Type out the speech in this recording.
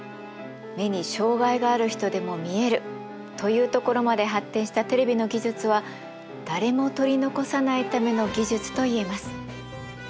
目に障害がある人でも見えるというところまで発展したテレビの技術は誰も取り残さないための技術と言えます。